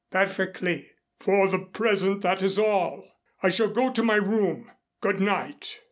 "Perfectly." "For the present that is all. I shall go to my room. Good night."